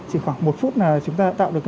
chỉ khoảng một phút là chúng ta tạo được